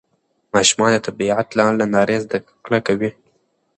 ماشومان د طبیعت له نندارې زده کړه کوي